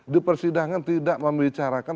di persidangan tidak membicarakan tiga puluh dua